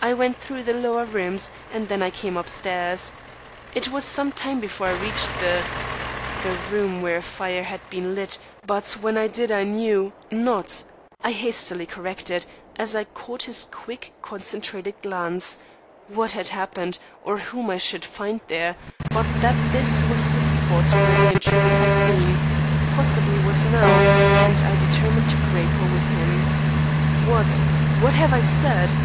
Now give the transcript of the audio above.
I went through the lower rooms, and then I came upstairs. It was some time before I reached the the room where a fire had been lit; but when I did I knew not," I hastily corrected, as I caught his quick concentrated glance, "what had happened or whom I should find there, but that this was the spot where the intruder had been, possibly was now, and I determined to grapple with him. What what have I said?"